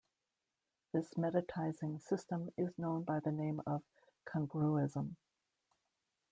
This mediatizing system was known by the name of congruism.